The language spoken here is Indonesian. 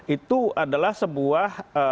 itu adalah sebuah